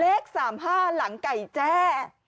เลข๓๕หลังไก่แจ้